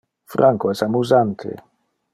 Franco es amusante.